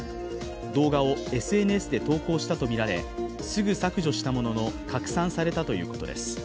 動画をＳＮＳで投稿したとみられ、すぐ削除したものの、拡散されたということです。